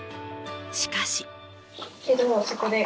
しかし。